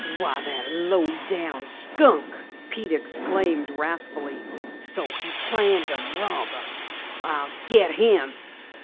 "Why, the low down skunk!" Pete exclaimed wrathfully. "So he planned to rob us! I'll get him!"